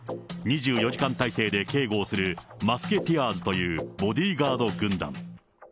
２４時間態勢で警護をする、マスケティアーズというボディーガード軍団。